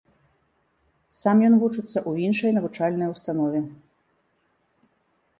Сам ён вучыцца ў іншай навучальнай установе.